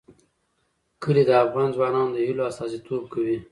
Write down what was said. کلي د افغان ځوانانو د هیلو استازیتوب کوي.